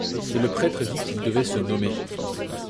Et le prêtre vit qu'il devait se nommer.